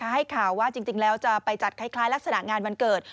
ให้ข่าวว่าจริงแล้วจะไปจัดคล้ายลักษณะงานวันเกิด